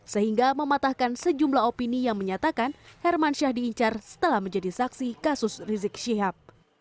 sehingga mematahkan sejumlah opini yang menyatakan herman syah diincar setelah menjadi saksi kasus rizik syihab